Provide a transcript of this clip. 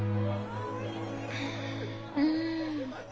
うん。